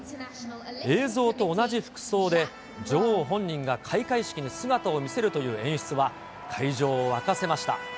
映像と同じ服装で、女王本人が開会式に姿を見せるという演出は、会場を沸かせました。